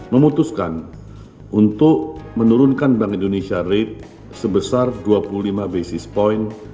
memutuskan untuk menurunkan bank indonesia rate sebesar dua puluh lima basis point